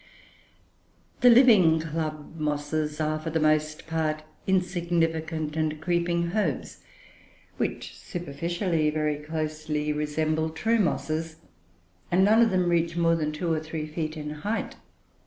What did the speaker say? The living club mosses are, for the most part, insignificant and creeping herbs, which, superficially, very closely resemble true mosses, and none of them reach more than two or three feet in height.